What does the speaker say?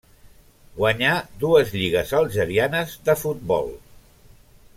Guanyà dues lligues algerianes de futbol.